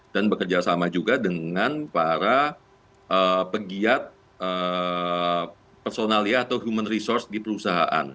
dan bekerja sama juga dengan para pegiat personalia atau human resource di perusahaan